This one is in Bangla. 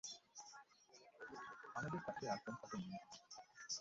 আমাদের কাছে আর কোন কাপড় নেই।